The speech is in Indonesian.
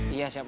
iya siap om